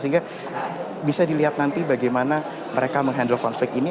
sehingga bisa dilihat nanti bagaimana mereka menghandle konflik ini